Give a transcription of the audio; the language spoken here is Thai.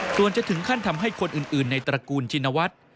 ส่วนจะถึงขั้นทำให้คนอื่นในตระกูลชินวัฒน์